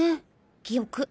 記憶。